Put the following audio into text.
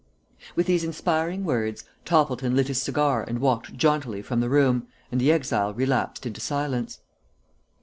With these inspiring words, Toppleton lit his cigar and walked jauntily from the room, and the exile relapsed into silence.